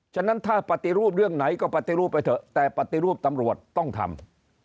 ฉะนั้นถ้าปฏิรูปเรื่องไหนก็ปฏิรูปไปเถอะแต่ปฏิรูปตำรวจต้องทำ